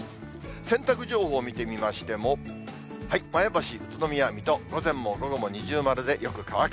洗濯情報を見てみましても、前橋、宇都宮、水戸、午前も午後も二重丸でよく乾く。